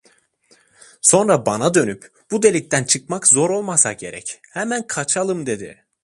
Sonra bana dönüp: 'Bu delikten dışarı çıkmak zor olmasa gerek, hemen kaçalım!' dedi.